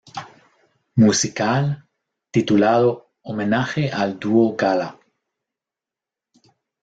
Musical", titulado "Homenaje al Dúo Gala".